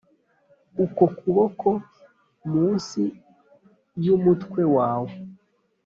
uku kuboko munsi yumutwe wawe!